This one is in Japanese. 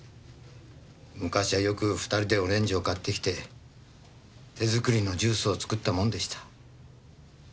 昔はよく２人でオレンジを買ってきて手作りのジュースを作ったものでした。